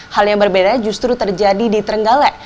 hal yang berbeda justru terjadi di trenggalek